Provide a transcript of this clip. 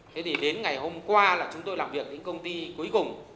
thế thì đến ngày hôm qua là chúng tôi làm việc những công ty cuối cùng